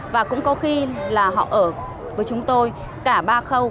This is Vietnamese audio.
và cũng có khi là họ ở với chúng tôi cả ba khâu